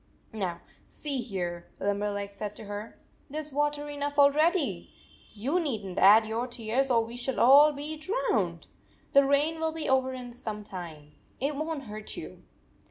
"Now, see here," Limberleg said to her, "there s water enough already ! You need n t add your tears, or we shall all be 103 drowned ! The rain will be over some time. It won t hurt you."